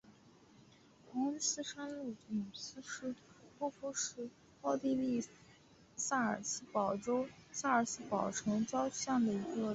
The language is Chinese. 豪恩斯山麓努斯多夫是奥地利萨尔茨堡州萨尔茨堡城郊县的一个市镇。